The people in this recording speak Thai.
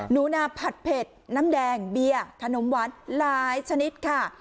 หนูนาผัดเผ็ดน้ำแดงเบียร์ขนมหวานหลายชนิดค่ะ